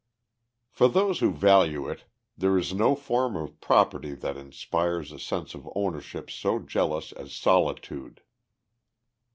For those who value it, there is no form of property that inspires a sense of ownership so jealous as solitude.